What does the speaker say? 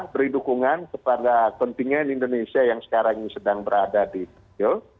beri dukungan kepada kontingen indonesia yang sekarang ini sedang berada di tokyo